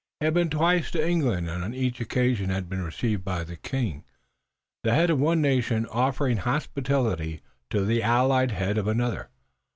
He had been twice to England and on each occasion had been received by the king, the head of one nation offering hospitality to the allied head of another.